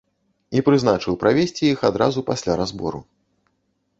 І прызначыў правесці іх адразу пасля разбору.